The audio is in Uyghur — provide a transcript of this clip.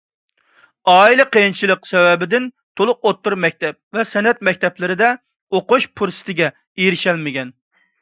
ئائىلە قىيىنچىلىق سەۋەبىدىن تولۇق ئوتتۇرا مەكتەپ ۋە سەنئەت مەكتەپلىرىدە ئوقۇش پۇرسىتىگە ئېرىشەلمىگەن.